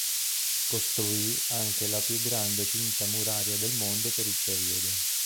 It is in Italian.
Costruì anche la più grande cinta muraria del mondo per il periodo.